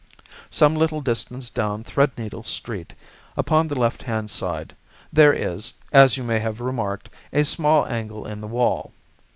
Some little distance down Threadneedle Street, upon the left hand side, there is, as you may have remarked, a small angle in the wall.